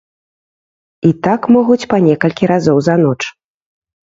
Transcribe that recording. І так могуць па некалькі разоў за ноч.